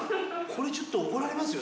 これちょっと怒られますよ。